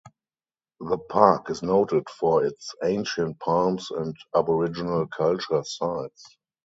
The park is noted for its ancient palms and Aboriginal cultural sites.